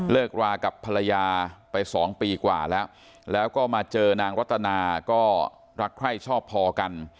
รากับภรรยาไปสองปีกว่าแล้วแล้วก็มาเจอนางรัตนาก็รักใคร่ชอบพอกัน